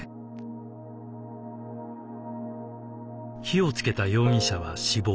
火をつけた容疑者は死亡。